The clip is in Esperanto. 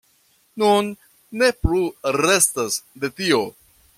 Nun ne plu restas de tio.